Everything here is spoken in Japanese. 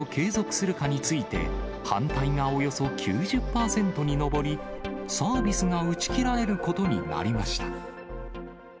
電動キックスケーターのレンタルサービスを継続するかについて、反対がおよそ９０％に上り、サービスが打ち切られることになりました。